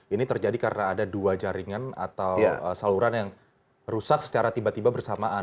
ini terjadi karena ada dua jaringan atau saluran yang rusak secara tiba tiba bersamaan